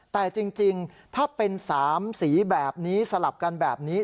แต่จริงถ้าเป็น๓สีแบบนี้สลับกันแบบนี้